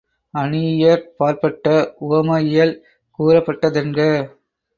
அணியியற்பாற்பட்ட உவமவியல் கூறப்பட்டதென்க.